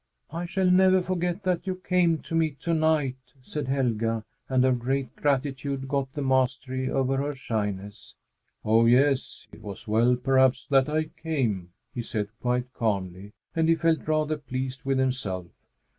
"I shall never forget that you came to me to night!" said Helga, and her great gratitude got the mastery over her shyness. "Oh, yes, it was well perhaps that I came," he said quite calmly, and he felt rather pleased with himself.